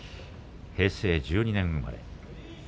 平成１２年生まれ。